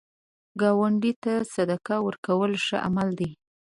ګاونډي ته صدقه ورکول ښه عمل دی